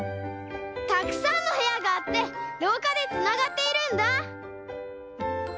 たくさんのへやがあってろうかでつながっているんだ。